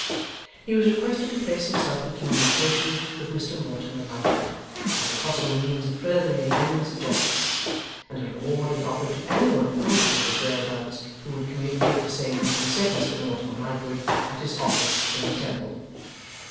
He was requested to place himself in communication with Mr Mortimer Lightwood, as a possible means of furthering the ends of justice, and a reward was offered to any one acquainted with his whereabout who would communicate the same to the said Mr Mortimer Lightwood at his office in the Temple.